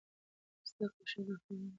زده کړه ښځه خپل مالي تصمیمونه پخپله نیسي.